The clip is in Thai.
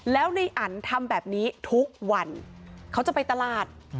แล้วในอันทำแบบนี้ทุกวันเขาจะไปตลาด